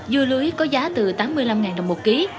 dưa lưới có giá từ tám mươi năm đồng một ký